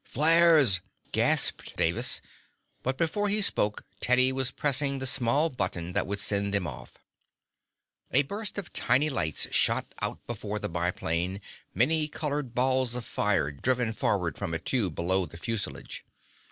"Flares," gasped Davis, but before he spoke Teddy was pressing the small button that would set them off. A burst of tiny lights shot out before the biplane, many colored balls of fire driven forward from a tube below the fusilage.